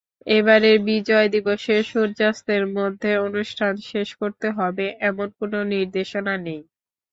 এবারের বিজয় দিবসে সূর্যাস্তের মধ্যে অনুষ্ঠান শেষ করতে হবে, এমন কোনো নির্দেশনা নেই।